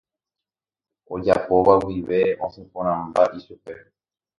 Ojapóva guive osẽporãmba ichupe.